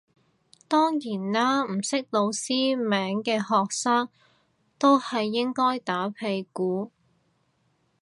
當然啦唔識老師名嘅學生都係應該打屁股